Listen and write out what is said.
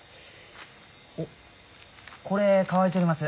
おっこれ乾いちょります。